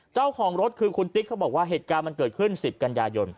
เจ้าของรถคือคุณติ๊กเขาบอกว่าเหตุการณ์มันเกิดขึ้น๑๐กันยายน